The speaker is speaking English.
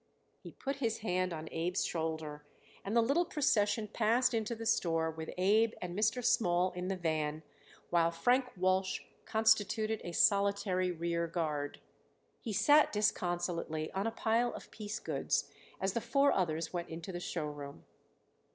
He put his hand on Abe's shoulder, and the little procession passed into the store with Abe and Mr. Small in the van, while Frank Walsh constituted a solitary rear guard. He sat disconsolately on a pile of piece goods as the four others went into the show room.